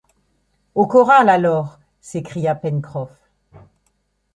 Au corral, alors! s’écria Pencroff.